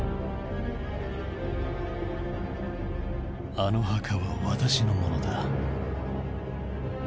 あの墓は私のものだ。